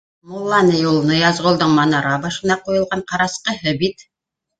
Мулла ни ул Ныязғолдоң манара башына ҡуйылған ҡарасҡыһы бит.